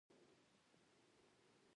لوبغاړي خپل هيواد ته ویاړ راوړي.